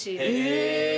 へえ。